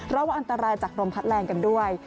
แล้วอันตรายจากรมพัดแรงกันด้วย